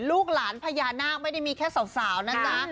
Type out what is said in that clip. ลูกหลานพญานาคไม่ได้มีแค่สาวนะจ๊ะ